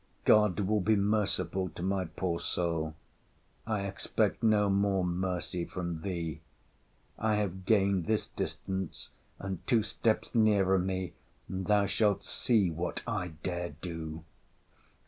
God will be merciful to my poor soul! I expect no more mercy from thee! I have gained this distance, and two steps nearer me, and thou shalt see what I dare do!